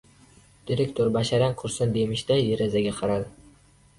Direktor basharang qursin, demishday, derazaga qaradi.